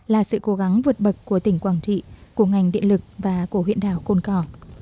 là sự cố gắng vượt bậc của tỉnh quảng trị của ngành điện lực và của huyện đảo cồn cỏ